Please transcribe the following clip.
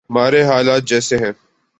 ہمارے حالات جیسے ہیں۔